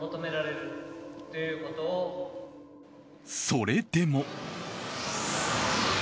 それでも。